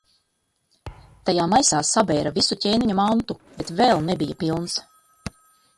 Tajā maisā sabēra visu ķēniņa mantu, bet vēl nebija pilns.